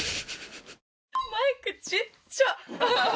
マイクちっちゃ！